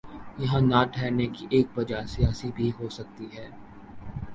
یہاں نہ ٹھہرنے کی ایک وجہ سیاسی بھی ہو سکتی ہے۔